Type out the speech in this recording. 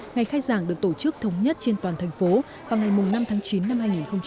ngày khai giảng được tổ chức thống nhất trên toàn thành phố vào ngày năm tháng chín năm hai nghìn hai mươi